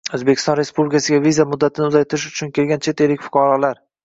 O‘zbekiston Respublikasiga viza muddatini uzaytirish uchun kelgan chet ellik fuqarolar